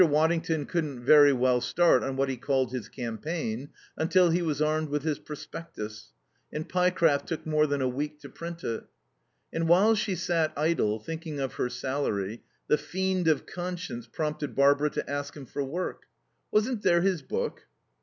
Waddington couldn't very well start on what he called his "campaign" until he was armed with his prospectus, and Pyecraft took more than a week to print it. And while she sat idle, thinking of her salary, the fiend of conscience prompted Barbara to ask him for work. Wasn't there his book?